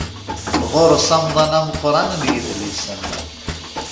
Ɣur-s amḍan ameqqran n yidlisen.